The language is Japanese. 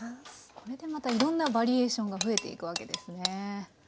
これでまたいろんなバリエーションが増えていくわけですね。